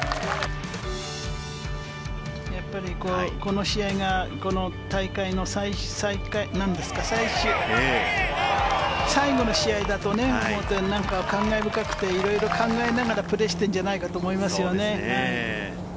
やっぱりこの試合が、この大会の最後の試合だとね思うと、なんか感慨深くて、いろいろ考えながらプレーしてるんじゃないかなと思いますね。